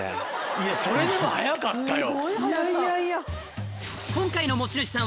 いやそれでも速かったよ。